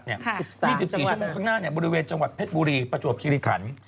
๒๔ชั่วโมงข้างหน้าบริเวณจังหวัดเพชรบุรีประจวบคิริขัน